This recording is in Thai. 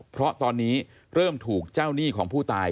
เพราะตอนนี้เริ่มถูกเจ้าหนี้ของผู้ตาย